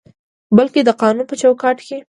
بلکې د قانون په چوکاټ کې